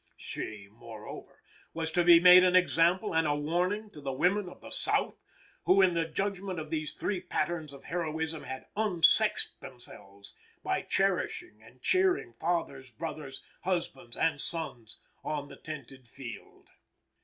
She, moreover, was to be made an example and a warning to the women of the South, who, in the judgment of these three patterns of heroism, had "unsexed" themselves by cherishing and cheering fathers, brothers, husbands and sons on the tented field.